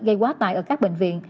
gây quá tải ở các bệnh viện